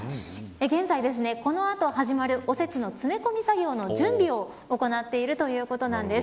現在、この後始まるおせちの詰め込み作業の準備を行っているということなんです。